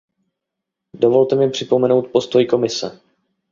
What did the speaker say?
Dovolte mi připomenout postoj Komise.